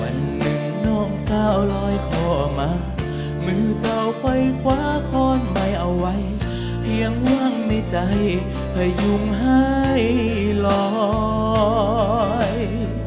วันหนึ่งน้องสาวลอยคอมามือเจ้าค่อยคว้าข้อนใหม่เอาไว้เพียงว่างในใจพยุงให้ลอย